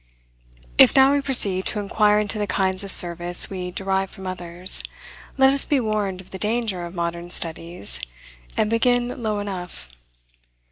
If now we proceed to inquire into the kinds of service we derive from others, let us be warned of the danger of modern studies, and begin low enough.